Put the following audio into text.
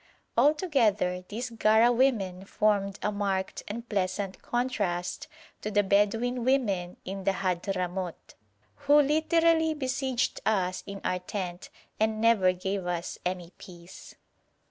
Altogether these Gara women formed a marked and pleasant contrast to the Bedouin women in the Hadhramout, who literally besieged us in our tent, and never gave us any peace.